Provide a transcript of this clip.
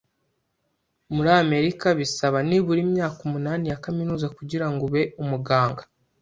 Muri Amerika, bisaba nibura imyaka umunani ya kaminuza kugirango ube umuganga